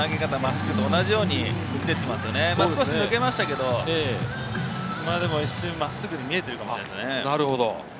少し抜けましたけれど、一瞬真っすぐに見えているかもしれないですね。